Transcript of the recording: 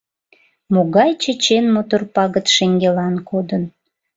Могай чечен-мотор пагыт шеҥгелан кодын!